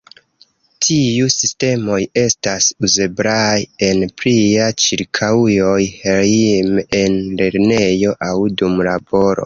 Tiuj sistemoj estas uzeblaj en plia ĉirkaŭoj, hejme, en lernejo, aŭ dum laboro.